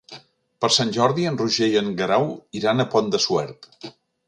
Per Sant Jordi en Roger i en Guerau iran al Pont de Suert.